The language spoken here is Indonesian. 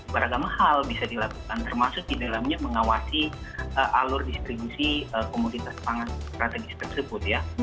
beragam hal bisa dilakukan termasuk di dalamnya mengawasi alur distribusi komoditas pangan strategis tersebut ya